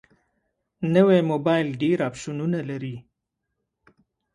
نوی موبایل ډېر اپشنونه لري